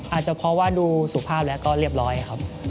อาจจะเพราะว่าดูสุภาพแล้วก็เรียบร้อยครับ